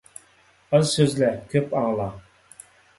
ئاز سۆزلە، كۆپ ئاڭلا.